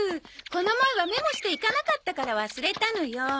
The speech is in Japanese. この前はメモしていかなかったから忘れたのよ。